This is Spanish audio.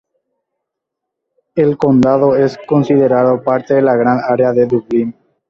El condado es considerado parte de la Gran Área de Dublín.